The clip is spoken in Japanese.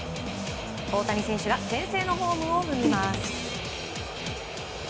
大谷選手が先制のホームを踏みます。